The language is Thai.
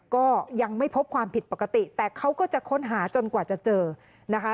ก็ยังไม่พบความผิดปกติแต่เขาก็จะค้นหาจนกว่าจะเจอนะคะ